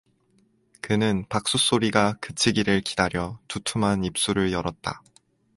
그는 박수 소리가 그치기를 기다려 두툼한 입술을 열었다.